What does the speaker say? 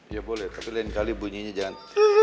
ya boleh tapi lain kali bunyinya jan